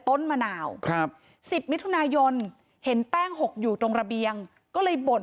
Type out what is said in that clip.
ต้นมะนาวครับ๑๐มิถุนายนเห็นแป้งหกอยู่ตรงระเบียงก็เลยบ่น